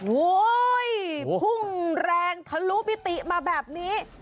โอ้โหพุ่งแรงทะลุปิติมาแบบนี้